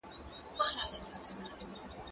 دا انځورونه له هغه ښايسته دي!